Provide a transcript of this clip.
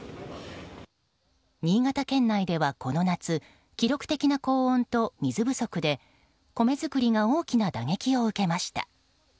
新潟県内では、この夏記録的な高温と水不足で米作りが大きな打撃を受けました。